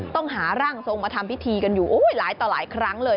ต้องหาร่างทรงมาทำพิธีกันอยู่หลายต่อหลายครั้งเลย